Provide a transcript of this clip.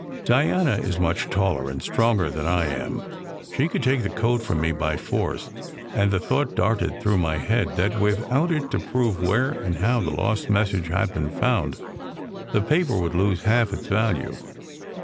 Diana is much taller and stronger than I am. She could take the coat from me by force; and the thought darted through my head that without it to prove where and how the lost message had been found, the paper would lose half its value.